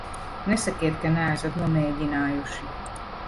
Nesakiet, ka neesat nomēģinājuši.